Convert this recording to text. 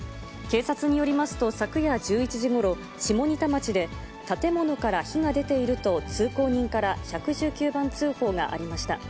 警察によりますと、昨夜１１時ごろ、下仁田町で、建物から火が出ていると通行人から１１９番通報がありました。